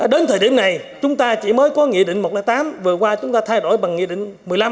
đến thời điểm này chúng ta chỉ mới có nghị định một trăm linh tám vừa qua chúng ta thay đổi bằng nghị định một mươi năm